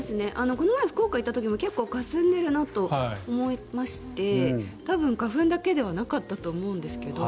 この前、福岡に行った時も結構かすんでいるなと思いまして多分、花粉だけではなかったと思うんですけど。